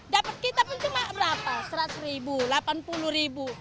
dapat kita pun cuma berapa seratus ribu delapan puluh ribu